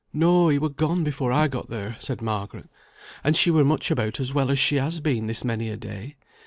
"No; he were gone before I got there," said Margaret; "and she were much about as well as she has been this many a day.